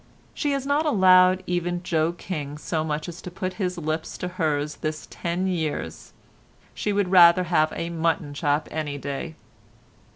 She has not allowed even Joe King so much as to put his lips to hers this ten years. She would rather have a mutton chop any day.